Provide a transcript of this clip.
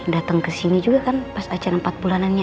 dateng kesini juga kan pas acara empat bulanannya